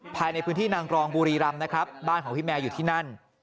ภายในพื้นที่นางรองบุรีรำนะครับบ้านของพี่แมวอยู่ที่นั่น